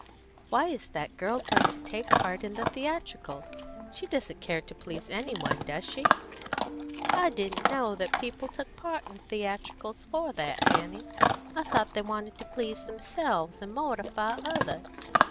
"Why is that girl going to take part in the theatricals? She doesn't care to please any one, does she?" "I didn't know that people took part in theatricals for that, Annie. I thought they wanted to please themselves and mortify others.